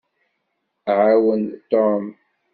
Ɛawen Tom.